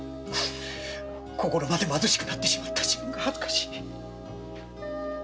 心まで貧しくなってしまった自分が恥ずかしい！